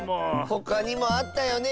ほかにもあったよね